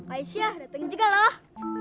aisyah datang juga loh